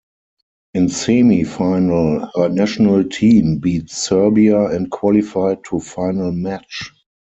In semi final her national team beat Serbia and qualified to final match.